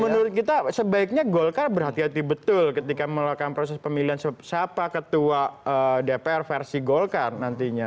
menurut kita sebaiknya golkar berhati hati betul ketika melakukan proses pemilihan siapa ketua dpr versi golkar nantinya